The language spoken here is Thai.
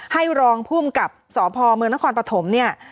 ให้รองพุ่มกับสภมนครปฐมเนี่ย